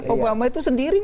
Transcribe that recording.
obama itu sendiri